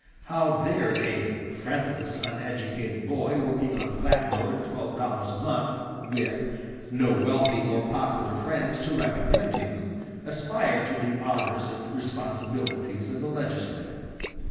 How dared a "friendless, uneducated boy, working on a flatboat at twelve dollars a month," with "no wealthy or popular friends to recommend" him, aspire to the honors and responsibilities of a legislator?